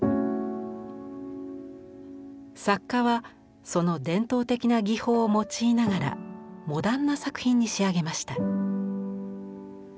作家はその伝統的な技法を用いながらモダンな作品に仕上げました。